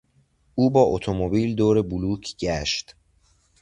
او با اتومبیل دور بلوک گشت.